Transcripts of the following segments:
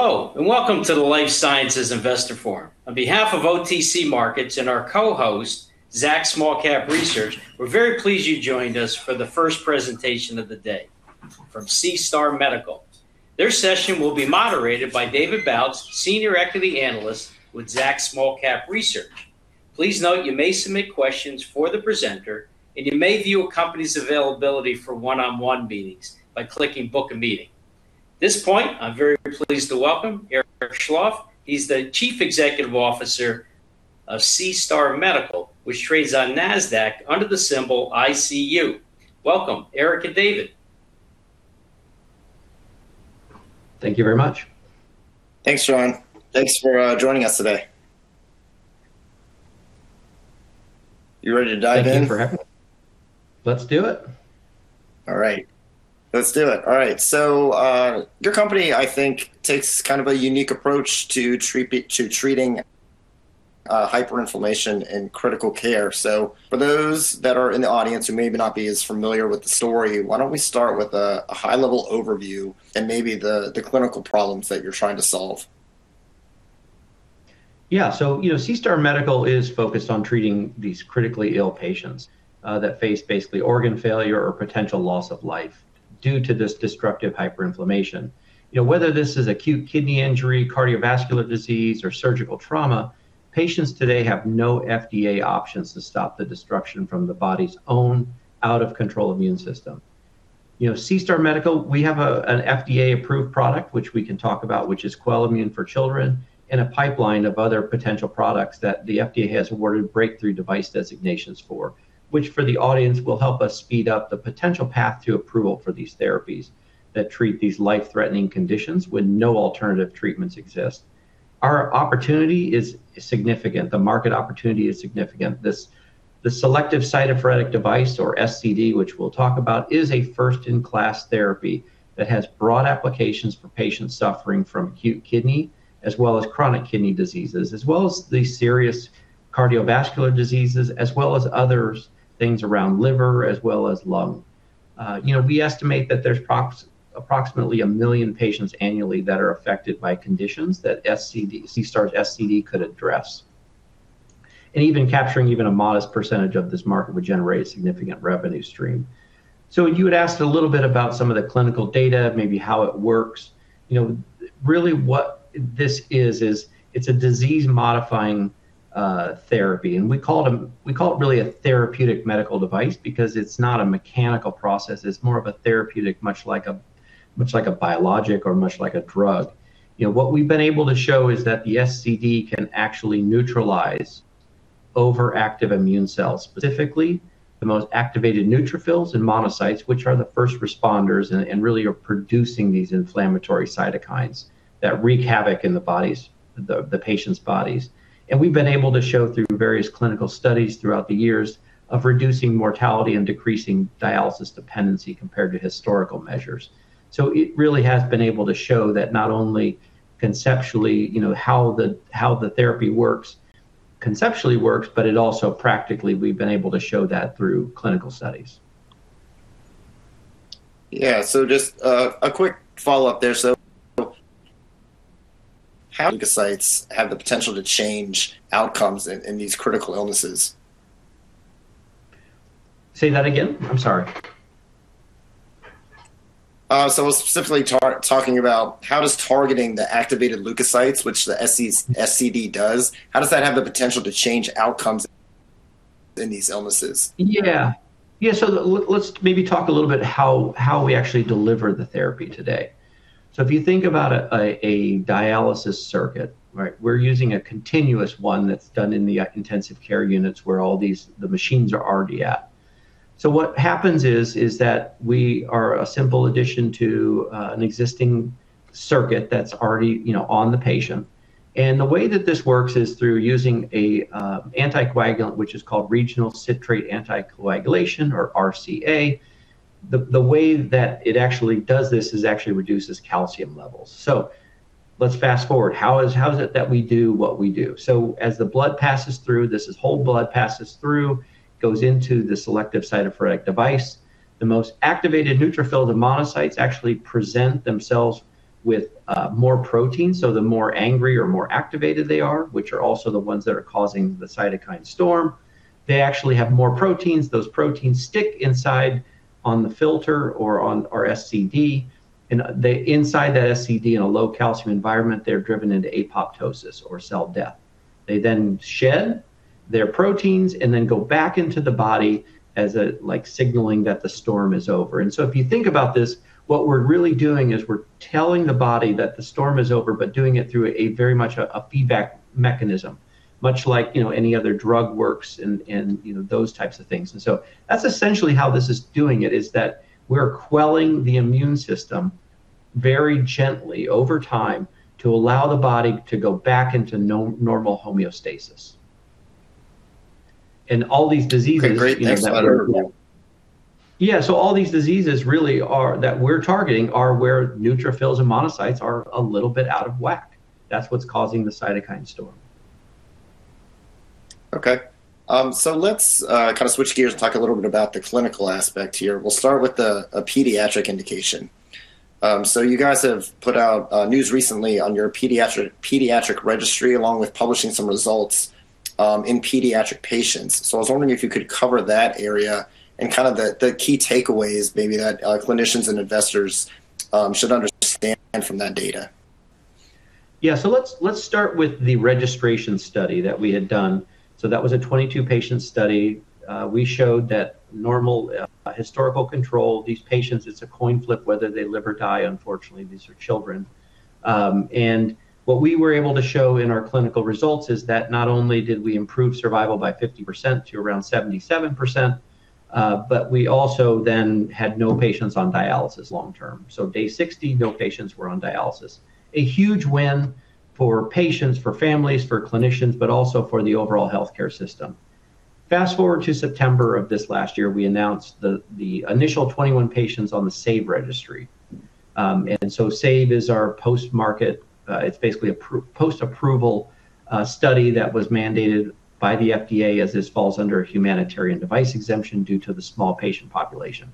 Hello, and welcome to the Life Sciences Investor Forum. On behalf of OTC Markets and our co-host, Zacks Small Cap Research, we're very pleased you joined us for the first presentation of the day from SeaStar Medical. Their session will be moderated by David Bautz, Senior Biotech Analyst with Zacks Small Cap Research. Please note you may submit questions for the presenter, and you may view a company's availability for one-on-one meetings by clicking Book a Meeting. At this point, I'm very pleased to welcome Eric Schlorff. He's the Chief Executive Officer of SeaStar Medical, which trades on Nasdaq under the symbol ICU. Welcome, Eric and David. Thank you very much. Thanks, John. Thanks for joining us today. You ready to dive in? Thank you for having me. Let's do it. All right. Your company, I think, takes kind of a unique approach to treating hyperinflammation in critical care. For those that are in the audience who may not be as familiar with the story, why don't we start with a high-level overview and maybe the clinical problems that you're trying to solve? Yeah. You know, SeaStar Medical is focused on treating these critically ill patients that face basically organ failure or potential loss of life due to this destructive hyperinflammation. You know, whether this is Acute Kidney Injury, cardiovascular disease, or surgical trauma, patients today have no FDA options to stop the destruction from the body's own out-of-control immune system. You know, SeaStar Medical, we have an FDA-approved product, which we can talk about, which is QUELIMMUNE for Children, and a pipeline of other potential products that the FDA has awarded Breakthrough Device designation for, which for the audience will help us speed up the potential path to approval for these therapies that treat these life-threatening conditions when no alternative treatments exist. Our opportunity is significant. The market opportunity is significant. The Selective Cytopheretic Device, or SCD, which we'll talk about, is a first-in-class therapy that has broad applications for patients suffering from acute kidney as well as chronic kidney diseases, as well as the serious cardiovascular diseases, as well as others, things around liver, as well as lung. You know, we estimate that there's approximately 1 million patients annually that are affected by conditions that SeaStar's SCD could address. Even capturing a modest percentage of this market would generate a significant revenue stream. You had asked a little bit about some of the clinical data, maybe how it works. You know, really what this is it's a disease-modifying therapy, and we call it really a therapeutic medical device because it's not a mechanical process. It's more of a therapeutic, much like a biologic or much like a drug. You know, what we've been able to show is that the SCD can actually neutralize overactive immune cells, specifically the most activated neutrophils and monocytes, which are the first responders and really are producing these inflammatory cytokines that wreak havoc in the bodies, the patients' bodies. We've been able to show through various clinical studies throughout the years of reducing mortality and decreasing dialysis dependency compared to historical measures. It really has been able to show that not only conceptually, you know, how the therapy works, conceptually works, but it also practically we've been able to show that through clinical studies. Yeah. Just a quick follow-up there. How do leukocytes have the potential to change outcomes in these critical illnesses? Say that again. I'm sorry. Specifically talking about how does targeting the activated leukocytes, which the SCD does, how does that have the potential to change outcomes in these illnesses? Let's maybe talk a little bit how we actually deliver the therapy today. If you think about a dialysis circuit, right? We're using a continuous one that's done in the intensive care units where the machines are already at. What happens is that we are a simple addition to an existing circuit that's already, you know, on the patient. The way that this works is through using an anticoagulant, which is called Regional Citrate Anticoagulation or RCA. The way that it actually does this is actually reduces calcium levels. Let's fast-forward. How is it that we do what we do? As the whole blood passes through, goes into the Selective Cytopheretic Device. The most activated neutrophil, the monocytes actually present themselves with more protein. The more angry or more activated they are, which are also the ones that are causing the cytokine storm, they actually have more proteins. Those proteins stick inside on the filter or on our SCD, and they inside that SCD in a low calcium environment, they're driven into apoptosis or cell death. They then shed their proteins and then go back into the body as a, like signaling that the storm is over. If you think about this, what we're really doing is we're telling the body that the storm is over, but doing it through a very much a feedback mechanism, much like, you know, any other drug works and, you know, those types of things. That's essentially how this is doing it, is that we're quelling the immune system very gently over time to allow the body to go back into normal homeostasis. All these diseases, you know, that we're- Okay, great. Next slide over. Yeah. All these diseases that we're targeting are where neutrophils and monocytes are a little bit out of whack. That's what's causing the cytokine storm. Okay. Let's kind of switch gears and talk a little bit about the clinical aspect here. We'll start with the pediatric indication. You guys have put out news recently on your pediatric registry along with publishing some results in pediatric patients. I was wondering if you could cover that area and kind of the key takeaways maybe that clinicians and investors should understand from that data. Yeah. Let's start with the registration study that we had done. That was a 22-patient study. We showed that normal historical control, these patients, it's a coin flip whether they live or die, unfortunately. These are children. What we were able to show in our clinical results is that not only did we improve survival by 50% to around 77%, but we also then had no patients on dialysis long term. Day 60, no patients were on dialysis. A huge win for patients, for families, for clinicians, but also for the overall healthcare system. Fast-forward to September of this last year, we announced the initial 21 patients on the SAVE Registry. SAVE is our post-market. It's basically a post-approval study that was mandated by the FDA as this falls under a Humanitarian Device Exemption due to the small patient population.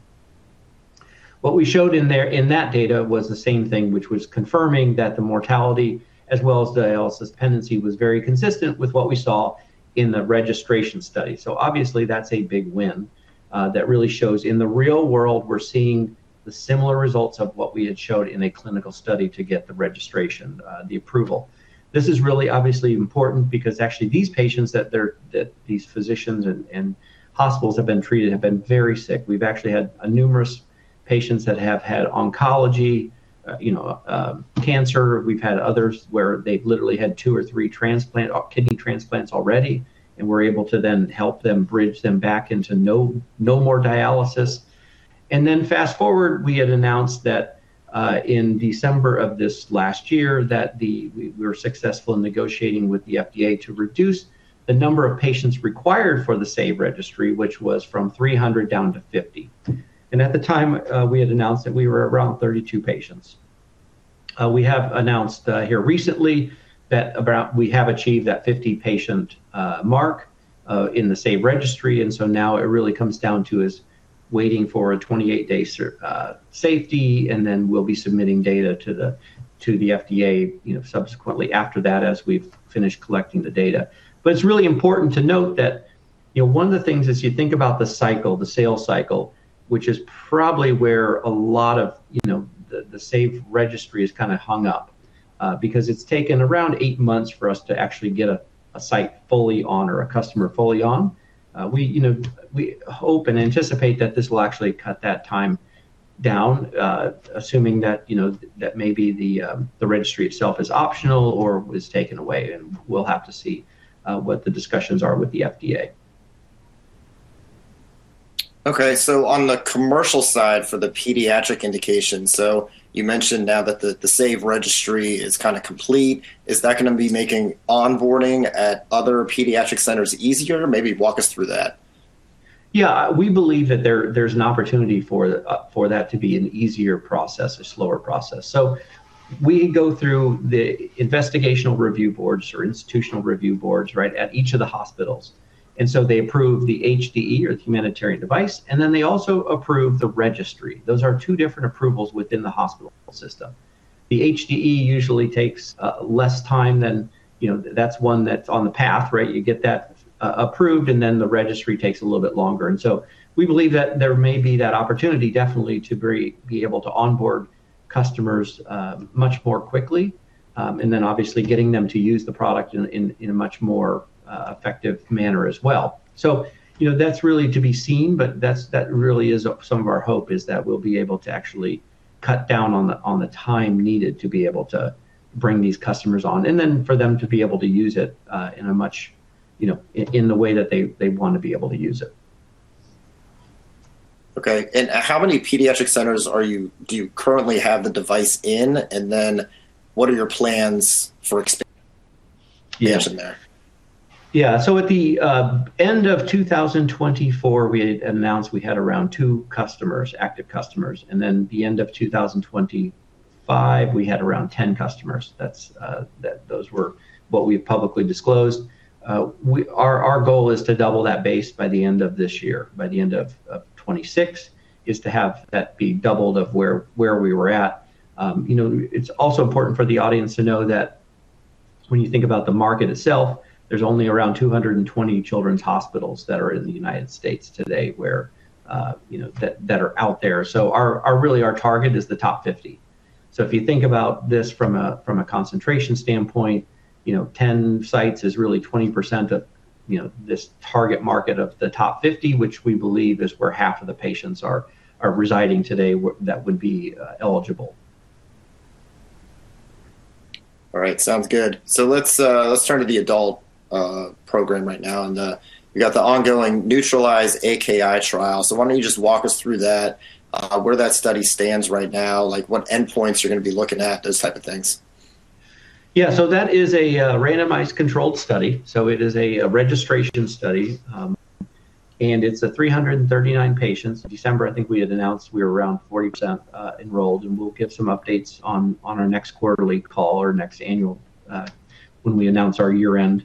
What we showed in there, in that data was the same thing, which was confirming that the mortality as well as dialysis dependency was very consistent with what we saw in the registration study. That's a big win that really shows in the real world we're seeing the similar results of what we had showed in a clinical study to get the registration, the approval. This is really obviously important because actually these patients that these physicians and hospitals have been treating have been very sick. We've actually had numerous patients that have had oncology, you know, cancer. We've had others where they've literally had two or three transplant or kidney transplants already, and we're able to then help them bridge them back into no more dialysis. Then fast-forward, we had announced that in December of this last year that we were successful in negotiating with the FDA to reduce the number of patients required for the SAVE Registry, which was from 300 down to 50. At the time, we had announced that we were around 32 patients. We have announced here recently that we have achieved that 50-patient mark in the SAVE Registry, and so now it really comes down to waiting for a 28-day safety, and then we'll be submitting data to the FDA, you know, subsequently after that as we've finished collecting the data. It's really important to note that, you know, one of the things as you think about the cycle, the sales cycle, which is probably where a lot of, you know, the SAVE Registry is kinda hung up, because it's taken around eight months for us to actually get a site fully on or a customer fully on. We, you know, we hope and anticipate that this will actually cut that time down, assuming that, you know, that maybe the registry itself is optional or is taken away, and we'll have to see what the discussions are with the FDA. Okay. On the commercial side for the pediatric indication, you mentioned now that the SAVE Registry is kinda complete. Is that gonna be making onboarding at other pediatric centers easier? Maybe walk us through that. Yeah. We believe that there's an opportunity for that to be an easier process, a slower process. We go through the institutional review boards or institutional review boards, right, at each of the hospitals. They approve the HDE or the humanitarian device, and then they also approve the registry. Those are two different approvals within the hospital system. The HDE usually takes less time. You know, that's one that's on the path, right? You get that approved, and then the registry takes a little bit longer. We believe that there may be that opportunity definitely to be able to onboard customers much more quickly, and then obviously getting them to use the product in a much more effective manner as well. You know, that's really to be seen, but that really is of some of our hope is that we'll be able to actually cut down on the time needed to be able to bring these customers on and then for them to be able to use it in a much, you know, in the way that they wanna be able to use it. Okay. How many pediatric centers do you currently have the device in? What are your plans for expansion there? Yeah. Yeah. At the end of 2024, we had announced we had around two active customers. At the end of 2025, we had around 10 customers. That's what we've publicly disclosed. Our goal is to double that base by the end of this year. By the end of 2026 is to have that be doubled of where we were at. You know, it's also important for the audience to know that when you think about the market itself, there's only around 220 children's hospitals that are in the United States today where you know that are out there. Our real target is the top 50. If you think about this from a concentration standpoint, you know, 10 sites is really 20% of, you know, this target market of the top 50, which we believe is where half of the patients are residing today that would be eligible. All right. Sounds good. Let's turn to the adult program right now. You got the ongoing NEUTRALIZE-AKI trial. Why don't you just walk us through that, where that study stands right now, like what endpoints you're gonna be looking at, those type of things. Yeah. That is a randomized controlled study. It is a registration study. It's 339 patients. In December, I think we had announced we were around 40% enrolled, and we'll give some updates on our next quarterly call or next annual when we announce our year-end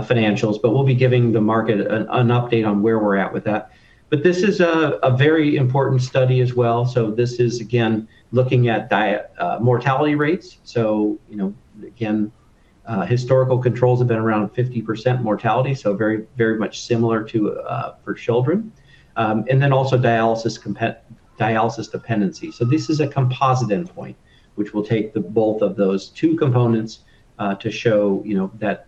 financials. We'll be giving the market an update on where we're at with that. This is a very important study as well. This is again looking at mortality rates. You know, again, historical controls have been around 50% mortality, so very, very much similar to for children. Then also dialysis dependency. This is a composite endpoint which will take both of those two components to show, you know, that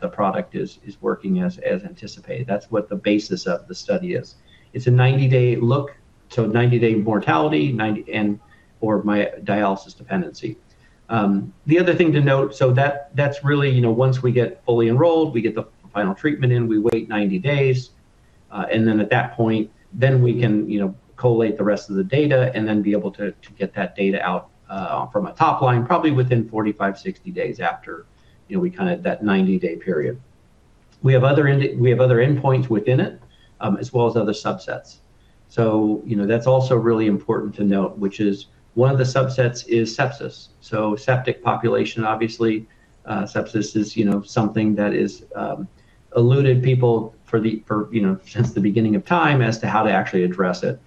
the product is working as anticipated. That's what the basis of the study is. It's a 90-day look, so 90-day mortality and freedom from dialysis dependency. The other thing to note, that's really, you know, once we get fully enrolled, we get the final treatment in, we wait 90 days, and then at that point we can, you know, collate the rest of the data and then be able to get that data out from a top line probably within 45, 60 days after, you know, after that 90-day period. We have other endpoints within it as well as other subsets. You know, that's also really important to note, which is one of the subsets is sepsis. Septic population, obviously, sepsis is, you know, something that is eluded people for, you know, since the beginning of time as to how to actually address it.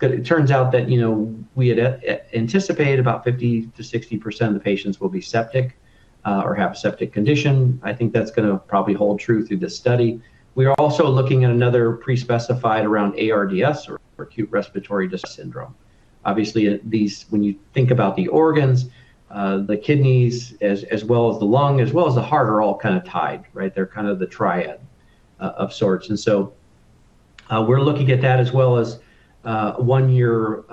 It turns out that, you know, we had anticipated about 50%-60% of the patients will be septic or have septic condition. I think that's gonna probably hold true through this study. We are also looking at another pre-specified around ARDS or acute respiratory distress syndrome. Obviously, when you think about the organs, the kidneys as well as the lung, as well as the heart are all kind of tied, right? They're kind of the triad of sorts. We're looking at that as well as one year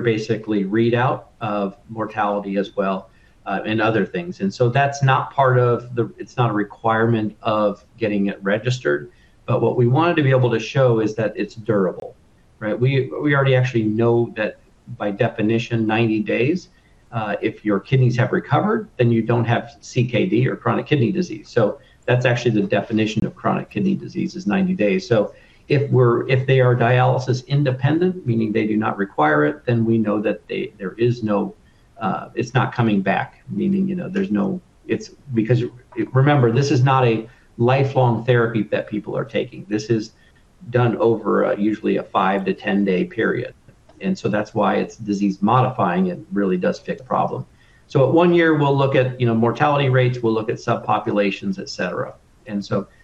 basically readout of mortality as well, and other things. That's not part of it. It's not a requirement of getting it registered. What we wanted to be able to show is that it's durable, right? We already actually know that by definition, 90 days, if your kidneys have recovered, then you don't have CKD or Chronic Kidney Disease. That's actually the definition of Chronic Kidney Disease is 90 days. If they are dialysis independent, meaning they do not require it, then we know that there is no, it's not coming back, meaning, you know, there's no. It's because. Remember, this is not a lifelong therapy that people are taking. This is done over a usually 5-10-day period. That's why it's disease modifying. It really does fit the problem. At one year, we'll look at, you know, mortality rates, we'll look at subpopulations, et cetera.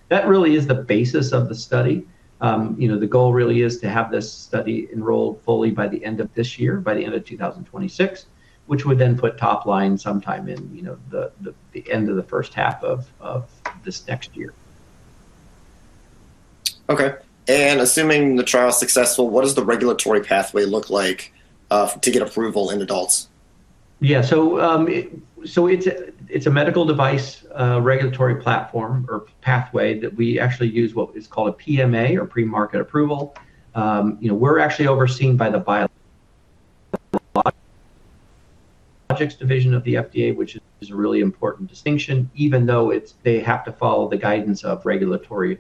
That really is the basis of the study. You know, the goal really is to have this study enrolled fully by the end of this year, by the end of 2026, which would then put top line sometime in, you know, the end of the first half of this next year. Okay. Assuming the trial is successful, what does the regulatory pathway look like to get approval in adults? Yeah. It's a medical device regulatory platform or pathway that we actually use what is called a PMA or Premarket Approval. You know, we're actually overseen by the Biologics Division of the FDA, which is a really important distinction, even though it's they have to follow the guidance of regulatory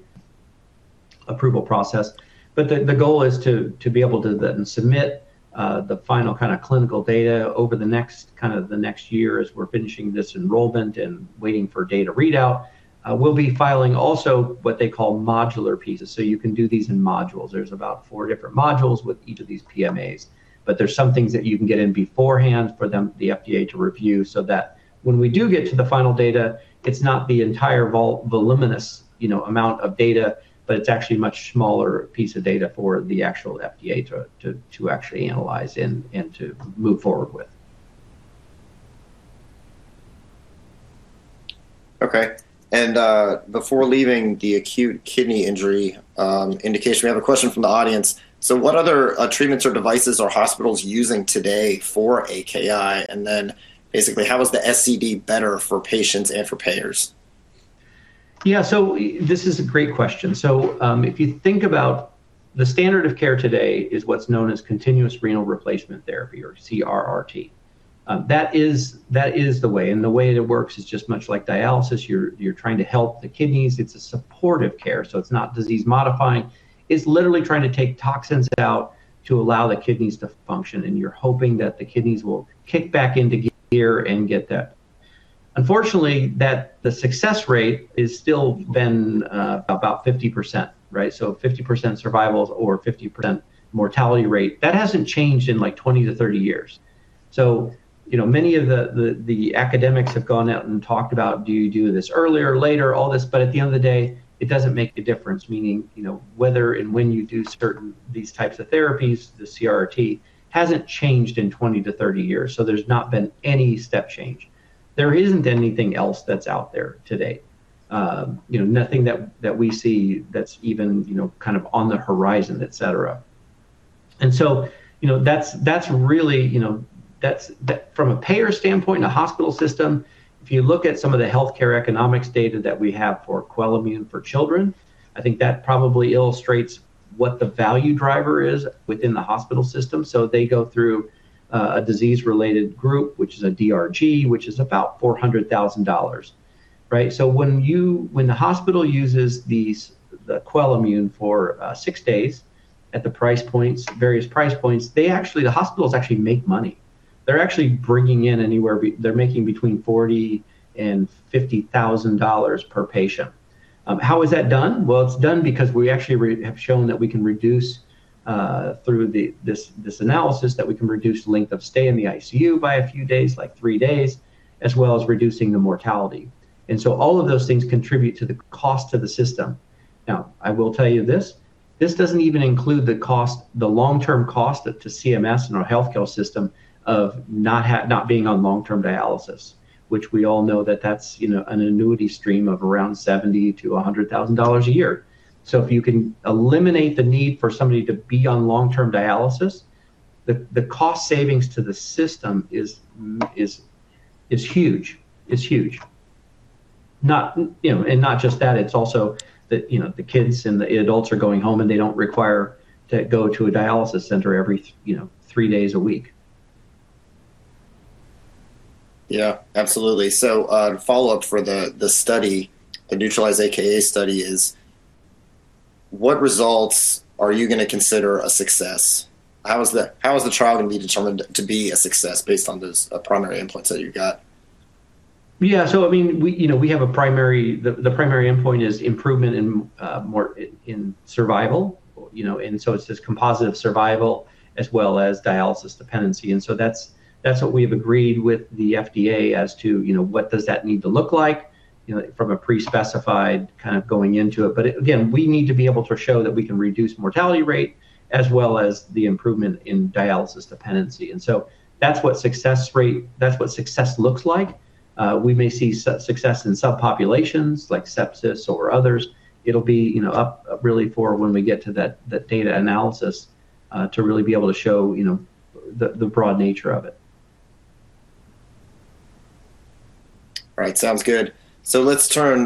approval process. The goal is to be able to then submit the final kind of clinical data over the next year as we're finishing this enrollment and waiting for data readout. We'll be filing also what they call modular pieces. You can do these in modules. There's about four different modules with each of these PMAs. There's some things that you can get in beforehand for them, the FDA to review so that when we do get to the final data, it's not the entire voluminous, you know, amount of data, but it's actually a much smaller piece of data for the actual FDA to actually analyze and to move forward with. Okay. Before leaving the Acute Kidney Injury indication, we have a question from the audience. What other treatments or devices are hospitals using today for AKI? Basically, how is the SCD better for patients and for payers? Yeah. This is a great question. If you think about the standard of care today is what's known as continuous renal replacement therapy or CRRT. That is the way, and the way it works is just much like dialysis. You're trying to help the kidneys. It's a supportive care, so it's not disease modifying. It's literally trying to take toxins out to allow the kidneys to function, and you're hoping that the kidneys will kick back into gear and get that. Unfortunately, that the success rate is still been about 50%, right? 50% survivals or 50% mortality rate. That hasn't changed in like 20-30 years. You know, many of the academics have gone out and talked about do you do this earlier or later, all this. At the end of the day, it doesn't make a difference, meaning, you know, whether and when you do certain these types of therapies, the CRRT hasn't changed in 20-30 years. There's not been any step change. There isn't anything else that's out there today. You know, nothing that we see that's even, you know, kind of on the horizon, et cetera. That's really, you know, that from a payer standpoint in a hospital system, if you look at some of the healthcare economics data that we have for QUELIMMUNE for children, I think that probably illustrates what the value driver is within the hospital system. They go through a disease-related group, which is a DRG, which is about $400,000, right? When the hospital uses these, the QUELIMMUNE for sixdays at the price points, various price points, the hospitals actually make money. They're actually making between $40 thousand and $50 thousand per patient. How is that done? Well, it's done because we actually have shown that we can reduce through this analysis that we can reduce length of stay in the ICU by a few days, like three days, as well as reducing the mortality. All of those things contribute to the cost to the system. Now, I will tell you this doesn't even include the cost, the long-term cost to CMS and our healthcare system of not being on long-term dialysis, which we all know that that's, you know, an annuity stream of around $70,000-$100,000 a year. If you can eliminate the need for somebody to be on long-term dialysis, the cost savings to the system is huge. It's huge. Not, you know, and not just that, it's also that, you know, the kids and the adults are going home, and they don't require to go to a dialysis center every three days a week. Yeah, absolutely. Follow-up for the study, the NEUTRALIZE-AKI study is what results are you gonna consider a success? How is the trial going to be determined to be a success based on those primary endpoints that you got? Yeah. I mean, we, you know, we have a primary. The primary endpoint is improvement in survival, you know, and it's this composite of survival as well as dialysis dependency. That's what we have agreed with the FDA as to, you know, what does that need to look like, you know, from a pre-specified kind of going into it. Again, we need to be able to show that we can reduce mortality rate as well as the improvement in dialysis dependency. That's what success looks like. We may see success in subpopulations like sepsis or others. It'll be up really for when we get to that data analysis to really be able to show, you know, the broad nature of it. All right. Sounds good. Let's turn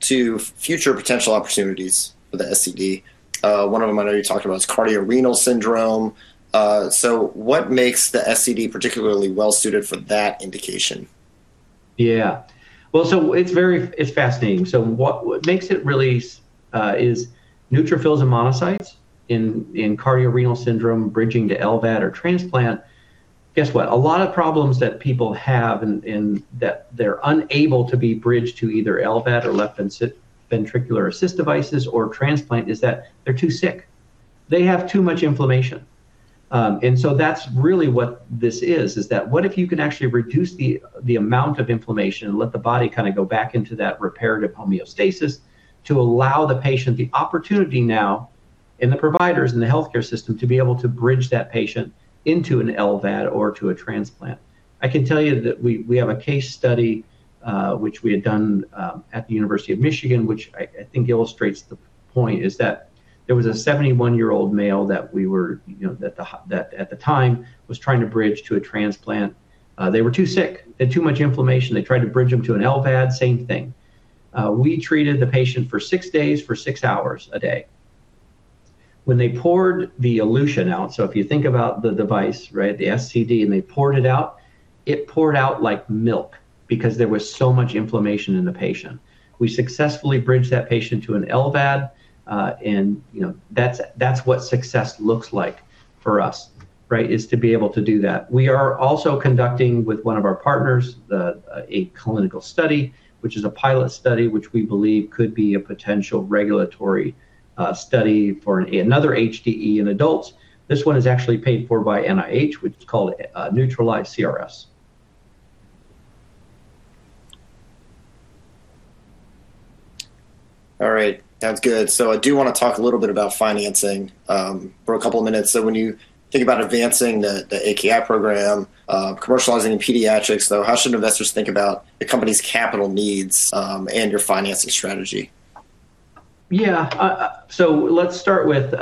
to future potential opportunities for the SCD. One of them I know you talked about is cardiorenal syndrome. What makes the SCD particularly well suited for that indication? Well, it's fascinating. What makes it really is neutrophils and monocytes in cardiorenal syndrome bridging to LVAD or transplant, guess what? A lot of problems that people have in that they're unable to be bridged to either LVAD or left ventricular assist devices or transplant is that they're too sick. They have too much inflammation. And so that's really what this is that what if you can actually reduce the amount of inflammation and let the body kind of go back into that reparative homeostasis to allow the patient the opportunity now and the providers in the healthcare system to be able to bridge that patient into an LVAD or to a transplant. I can tell you that we have a case study which we had done at the University of Michigan, which I think illustrates the point. It is that there was a 71-year-old male that at the time was trying to bridge to a transplant. They were too sick. They had too much inflammation. They tried to bridge him to an LVAD, same thing. We treated the patient for six days, for six hours a day. When they poured the elution out, so if you think about the device, right, the SCD, and they poured it out, it poured out like milk because there was so much inflammation in the patient. We successfully bridged that patient to an LVAD, and, you know, that's what success looks like for us, right, is to be able to do that. We are also conducting with one of our partners, a clinical study, which is a pilot study, which we believe could be a potential regulatory, study for another HDE in adults. This one is actually paid for by NIH, which is called NEUTRALIZE-CRS. All right. Sounds good. I do want to talk a little bit about financing for a couple of minutes. When you think about advancing the AKI program, commercializing in pediatrics, though, how should investors think about the company's capital needs and your financing strategy? Yeah. Let's start with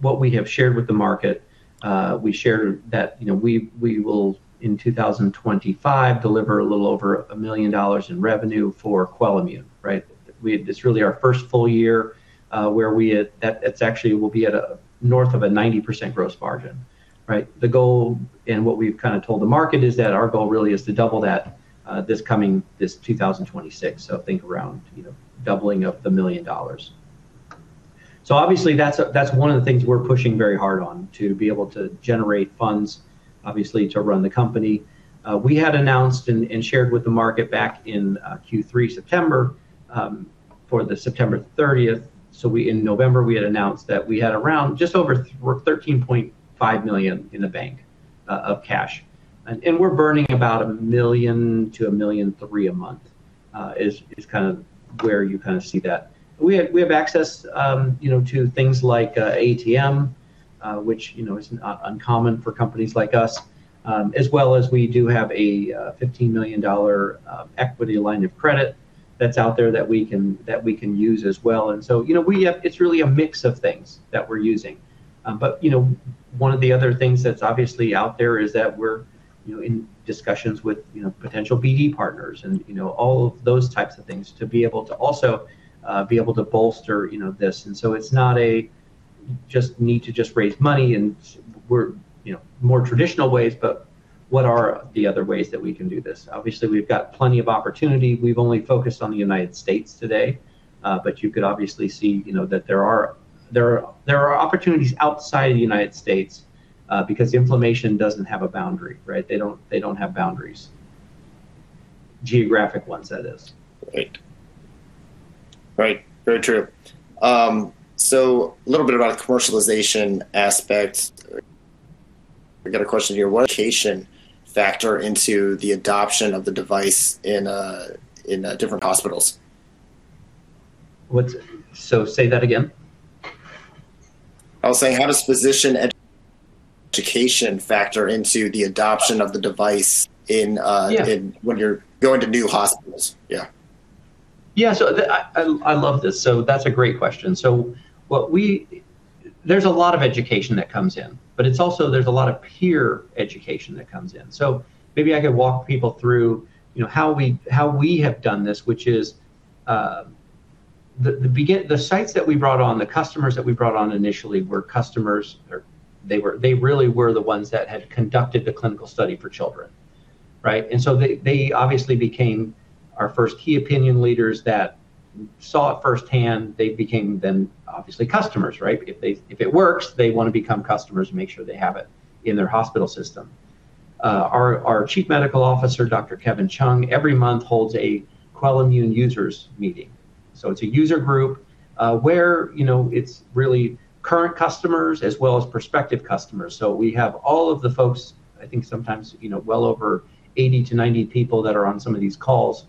what we have shared with the market. We shared that, you know, we will, in 2025, deliver a little over $1 million in revenue for QUELIMMUNE, right? This is really our first full year where that it's actually we'll be at north of 90% gross margin, right? The goal and what we've kind of told the market is that our goal really is to double that, this coming 2026. So think around, you know, doubling of the $1 million. So obviously that's one of the things we're pushing very hard on to be able to generate funds, obviously, to run the company. We had announced and shared with the market back in Q3, September, for September 30. In November, we had announced that we had around just over $13.5 million in cash. We're burning about $1 million-$1.3 million a month, which is kind of where you see that. We have access, you know, to things like ATM, which, you know, is uncommon for companies like us, as well as a $15 million equity line of credit that's out there that we can use as well. It's really a mix of things that we're using. One of the other things that's obviously out there is that we're in discussions with potential BD partners and all of those types of things to be able to also be able to bolster this. It's not just a need to raise money in more traditional ways, but what are the other ways that we can do this? Obviously, we've got plenty of opportunity. We've only focused on the United States today, but you could obviously see that there are opportunities outside of the United States, because inflammation doesn't have a boundary, right? They don't have boundaries. Geographic ones, that is. Right. Very true. A little bit about commercialization aspects. I got a question here. What education factor into the adoption of the device in different hospitals? What? Say that again. I was saying, how does physician education factor into the adoption of the device in Yeah In when you're going to new hospitals? Yeah. Yeah. I love this. That's a great question. There's a lot of education that comes in, but it's also there's a lot of peer education that comes in. Maybe I could walk people through, you know, how we have done this, which is the sites that we brought on, the customers that we brought on initially were customers. They really were the ones that had conducted the clinical study for children, right? They obviously became our first key opinion leaders that saw it firsthand. They became then obviously customers, right? If it works, they wanna become customers and make sure they have it in their hospital system. Our chief medical officer, Dr. Kevin Chung, every month holds a QUELIMMUNE users meeting. It's a user group, where, you know, it's really current customers as well as prospective customers. We have all of the folks, I think sometimes, you know, well over 80 to 90 people that are on some of these calls,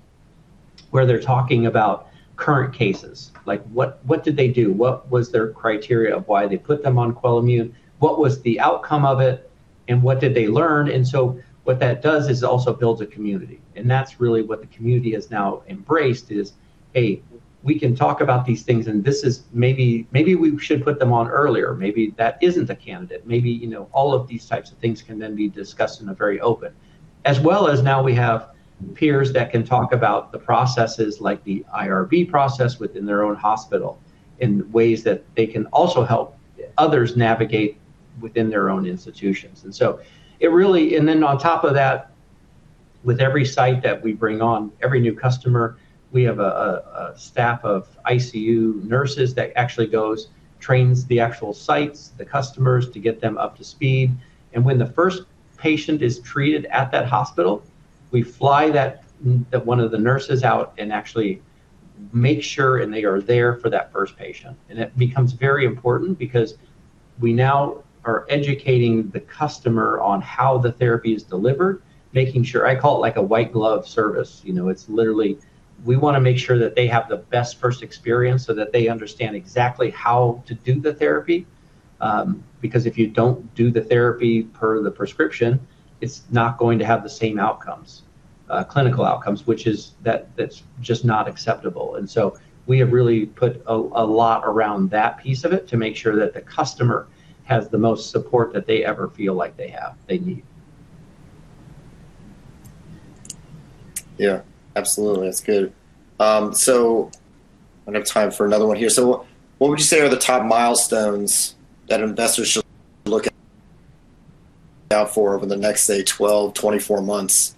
where they're talking about current cases. Like what did they do? What was their criteria of why they put them on QUELIMMUNE? What was the outcome of it, and what did they learn? What that does is also builds a community, and that's really what the community has now embraced, is, "Hey, we can talk about these things, and this is maybe we should put them on earlier. Maybe that isn't a candidate." Maybe, you know, all of these types of things can then be discussed in a very open. We have peers that can talk about the processes like the IRB process within their own hospital in ways that they can also help others navigate within their own institutions. On top of that, with every site that we bring on, every new customer, we have a staff of ICU nurses that actually goes, trains the actual sites, the customers to get them up to speed. When the first patient is treated at that hospital, we fly that one of the nurses out and actually make sure, and they are there for that first patient. It becomes very important because we now are educating the customer on how the therapy is delivered, making sure I call it like a white glove service. You know, it's literally, we wanna make sure that they have the best first experience so that they understand exactly how to do the therapy, because if you don't do the therapy per the prescription, it's not going to have the same outcomes, clinical outcomes, which is that's just not acceptable. We have really put a lot around that piece of it to make sure that the customer has the most support that they ever feel like they have, they need. Yeah. Absolutely. That's good. I have time for another one here. What would you say are the top milestones that investors should look out for over the next, say, 12-24 months?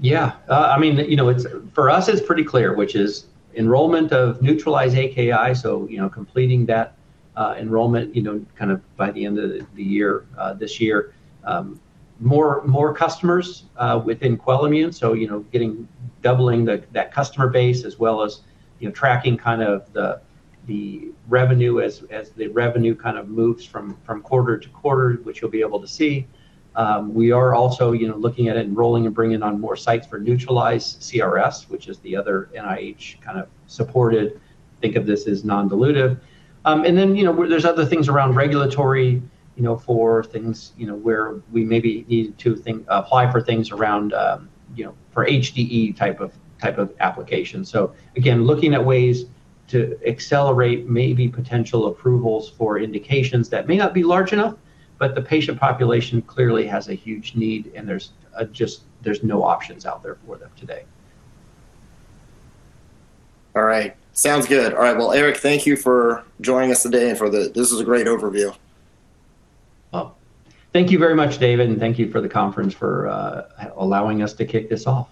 Yeah. I mean, you know, it's for us, it's pretty clear, which is enrollment of NEUTRALIZE-AKI. So, you know, completing that enrollment, you know, kind of by the end of the year, this year. More customers within QUELIMMUNE. So, you know, doubling that customer base as well as, you know, tracking kind of the revenue as the revenue kind of moves from quarter-to-quarter, which you'll be able to see. We are also, you know, looking at enrolling and bringing on more sites for NEUTRALIZE-CRS, which is the other NIH kind of supported, think of this as non-dilutive. Then, you know, there's other things around regulatory, you know, for things, you know, where we maybe need to apply for things around, you know, for HDE type of application. Again, looking at ways to accelerate maybe potential approvals for indications that may not be large enough, but the patient population clearly has a huge need, and there's just no options out there for them today. All right. Sounds good. All right. Well, Eric, thank you for joining us today. This is a great overview. Well, thank you very much, David, and thank you for the conference for allowing us to kick this off.